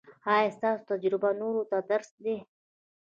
ایا ستاسو تجربه نورو ته درس دی؟